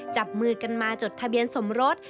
จับมือกันมาจดทะเบียนสมรส